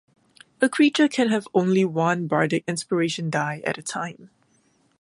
A creature can have only one Bardic Inspiration die at a time.